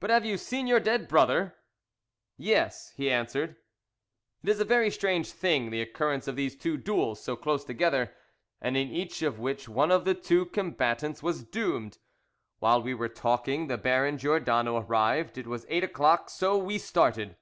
"But have you seen your dead brother?" "Yes," he answered. It is a very strange thing the occurrence of these two duels so close together, and in each of which one of the two combatants was doomed. While we were talking the Baron Giordano arrived. It was eight o'clock, so we started.